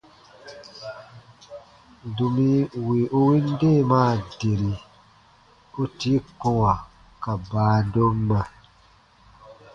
Domi wì u win deemaa deri, u tii kɔ̃wa ka baadomma.